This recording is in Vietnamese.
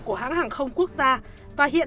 của hãng hàng không quốc gia và hiện